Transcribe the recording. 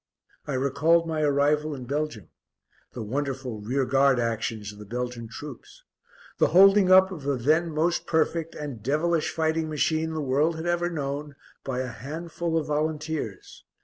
I recalled my arrival in Belgium; the wonderful rearguard actions of the Belgian troops; the holding up of the then most perfect (and devilish) fighting machine the world had ever known, by a handful of volunteers.